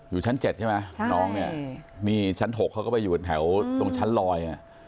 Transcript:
อยู่ชั้น๗ใช่ไหมน้องเนี่ยนี่ชั้น๖เขาก็ไปอยู่กันแถวตรงชั้นลอย